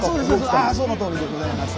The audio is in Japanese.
ああそのとおりでございます。